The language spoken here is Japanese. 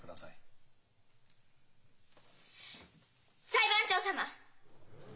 裁判長様！